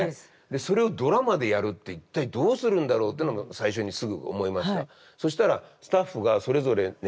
それをドラマでやるって一体どうするんだろうっていうのが最初にすぐ思いました。